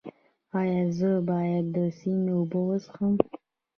ایا زه باید د سیند اوبه وڅښم؟